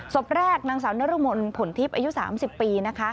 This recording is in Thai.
ศพแรกนางสาวนรมนผลทิพย์อายุ๓๐ปีนะคะ